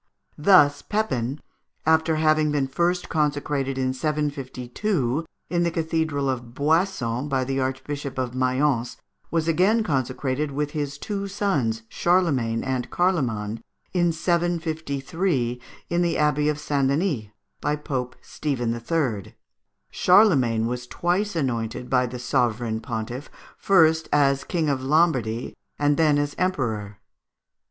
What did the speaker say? Thus Pépin, after having been first consecrated in 752 in the Cathedral of Boissons, by the Archbishop of Mayence, was again consecrated with his two sons Charlemagne and Carloman, in 753, in the Abbey of St. Denis, by Pope Stephen III. Charlemagne was twice anointed by the Sovereign Pontiff, first as King of Lombardy, and then as Emperor.